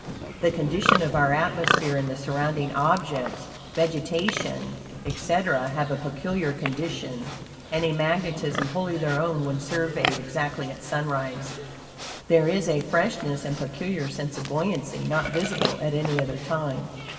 The condition of our atmosphere and the surrounding objects vegetation, etc. have a peculiar condition and a magnetism wholly their own when surveyed exactly at sunrise. There is a freshness and peculiar sense of buoyancy not visible at any other time.